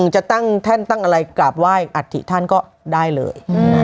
จะตั้งแท่นตั้งอะไรกราบไหว้อัฐิท่านก็ได้เลย